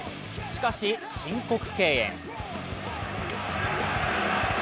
しかし申告敬遠。